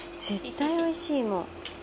絶対おいしいもん。